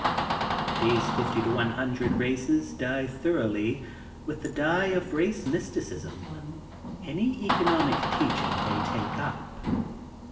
These fifty to one hundred races dye thoroughly, with the dye of race mysticism, any economic teaching they take up.